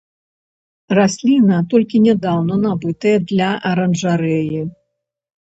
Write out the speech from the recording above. Расліна толькі нядаўна набытая для аранжарэі.